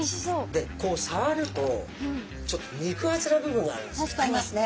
でこうさわるとちょっと肉厚な部分があるんですよ。ありますね。